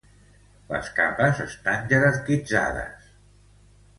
Les capes estan jerarquitzades.